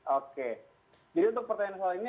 oke jadi untuk pertanyaan soal ini